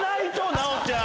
奈央ちゃん。